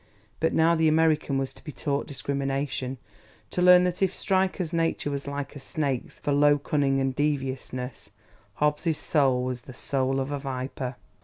But now the American was to be taught discrimination, to learn that if Stryker's nature was like a snake's for low cunning and deviousness, Hobbs' soul was the soul of a viper.